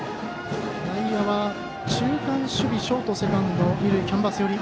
内野は中間守備ショート、セカンド二塁キャンバス寄り。